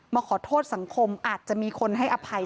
มาขอโทษสังคมอาจจะมีคนให้อภัย